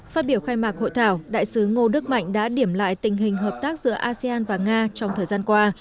phát biểu khai mạc hội thảo đại sứ ngô đức mạnh đã điểm lại tình hình hợp tác giữa asean và nga trong thời gian qua